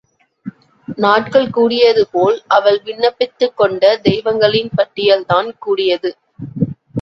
நாட்கள் கூடியதுபோல் அவள் விண்ணப்பித்துக் கொண்ட தெய்வங்களின் பட்டியல்தான் கூடியது.